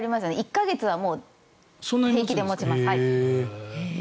１か月は平気で持ちます。